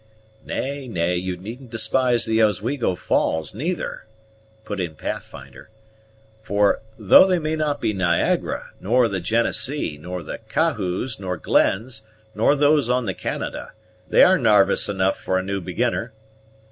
"Nay, nay, you needn't despise the Oswego Falls, neither," put in Pathfinder; "for, though they may not be Niagara, nor the Genessee, nor the Cahoos, nor Glenn's, nor those on the Canada, they are narvous enough for a new beginner.